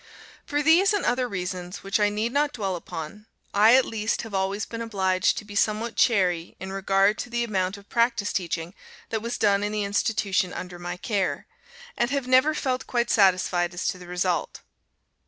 For these and other reasons which I need not dwell upon, I at least have always been obliged to be somewhat chary in regard to the amount of practice teaching that was done in the institution under my care, and have never felt quite satisfied as to the result.